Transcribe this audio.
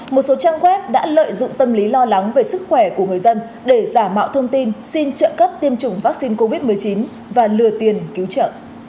một số trang web đã lợi dụng tâm lý lo lắng về sức khỏe của người dân để giả mạo thông tin xin trợ cấp tiêm chủng vaccine covid một mươi chín và lừa tiền cứu trợ